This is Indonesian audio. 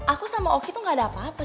aku sama oki tuh gak ada apa apa